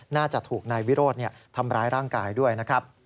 น่าจะถูกนายวิโรธทำร้ายร่างกายด้วยนะครับ